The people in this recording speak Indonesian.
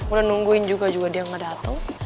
udah nungguin juga juga dia ngedateng